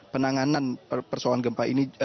penanganan persoalan gempa ini